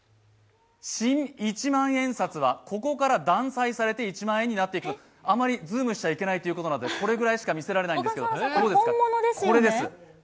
新一万円札はここから断裁されて一万円になっていく、あまりズームしちゃいけないということですので、これぐらいしか見せられないんですがこれです。